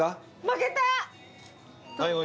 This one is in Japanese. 負けた。